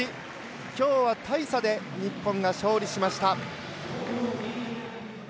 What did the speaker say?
今日は大差で日本が勝利しました。